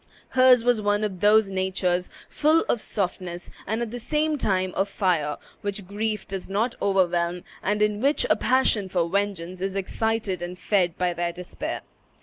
Hers was one of those natures, full of softness and at the same time of fire, which grief does not overwhelm, and in which a passion for vengeance is excited and fed by their despair.